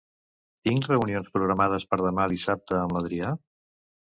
Tinc reunions programades per demà dissabte amb l'Adrià?